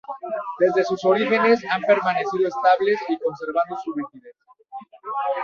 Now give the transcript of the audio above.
Desde sus orígenes han permanecido estables y conservando su rigidez.